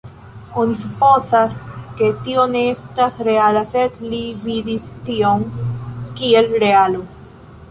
Oni supozas, ke tio ne estas reala, sed li vidis tion kiel realo.